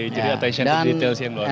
jadi attention to detail sih yang luar biasa